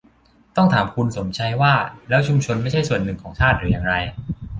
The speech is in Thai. ต้องถามคุณสมชัยว่าแล้วชุมชนไม่ใช่ส่วนหนึ่งของชาติหรืออย่างไร